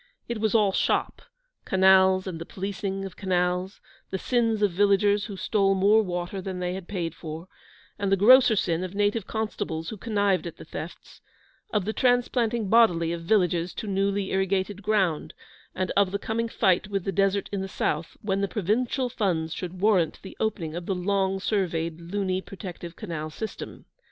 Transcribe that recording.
It was all 'shop,' canals and the policing of canals; the sins of villagers who stole more water than they had paid for, and the grosser sin of native constables who connived at the thefts; of the transplanting bodily of villages to newly irrigated ground, and of the coming fight with the desert in the south when the Provincial funds should warrant the opening of the long surveyed Luni Protective Canal System.